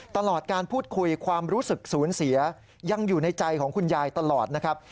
ตลอดการพูดคุยความรู้สึกศูนย์เสียยังอยู่ในใจของคุณยายตลอดนะครับ